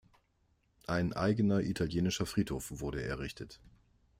Ein eigener italienischer Friedhof wurde errichtet.